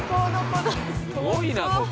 すごいなここ。